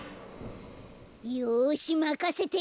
よしまかせて！